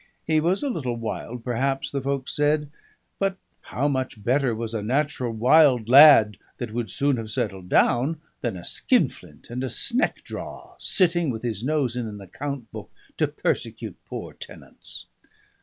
He was a little wild perhaps, the folk said; but how much better was a natural, wild lad that would soon have settled down, than a skinflint and a sneckdraw, sitting with his nose in an account book to persecute poor tenants!